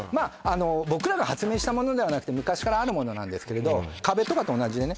僕らが発明したものではなくて昔からあるものなんですけれど壁とかと同じでね